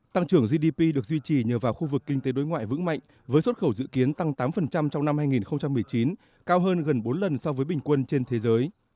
tăng trưởng gdp được duy trì nhờ vào khu vực kinh tế đối ngoại vững mạnh với xuất khẩu dự kiến tăng tám trong năm hai nghìn một mươi chín cao hơn gần bốn lần so với bình quân trên thế giới